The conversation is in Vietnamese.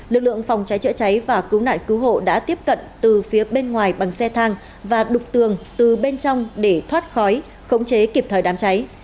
lực lượng phòng cháy chữa cháy và cứu nạn cứu hộ đã tiếp cận từ phía bên ngoài bằng xe thang và đục tường từ bên trong để thoát khói khống chế kịp thời đám cháy